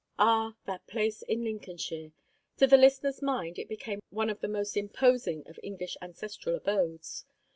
Ah, that place in Lincolnshire! To the listener's mind it became one of the most imposing of English ancestral abodes.